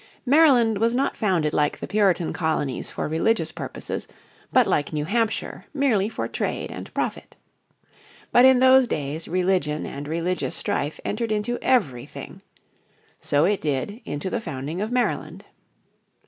Maryland was not founded like the Puritan colonies for religious purposes, but like New Hampshire, merely for trade and profit. But in those days religion and religious strife entered into everything. So it did into the founding of Maryland.